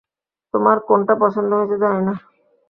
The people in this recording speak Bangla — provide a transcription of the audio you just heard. তোমার কোনটা পছন্দ হয়েছে জানি না।